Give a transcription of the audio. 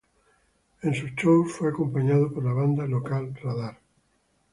En sus "shows" fue acompañado por la banda local Radar.